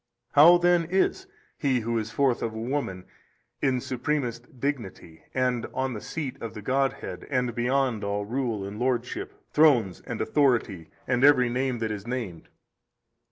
How then is he who is forth of a woman in supremest dignity and on the seat of the Godhead and beyond all Rule and Lordship, Thrones and Authority and every name that is named?